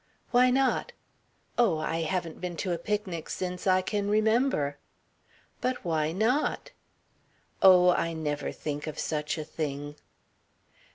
"Why not?" "Oh, I haven't been to a picnic since I can remember." "But why not?" "Oh, I never think of such a thing."